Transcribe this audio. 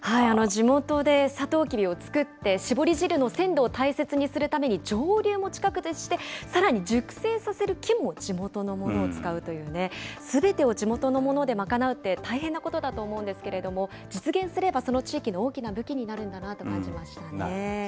地元でサトウキビを作って、搾り汁の鮮度を大切にするために蒸留も近くでして、さらに熟成させる木も地元のものを使うというね、すべてを地元のもので賄うって大変なことだと思うんですけれども、実現すればその地域の大きな武器になるんだなと感じましたね。